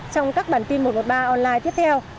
trong các bản tin một trăm một mươi ba online tiếp theo